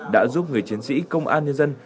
đã giúp người chiến sĩ công an nhân dân